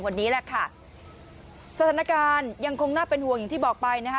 วันนี้แหละค่ะสถานการณ์ยังคงน่าเป็นห่วงอย่างที่บอกไปนะคะ